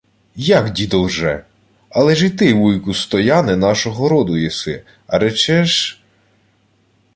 — Як, дідо лже? Але ж і ти, вуйку Стояне, нашого роду єси, а речеш...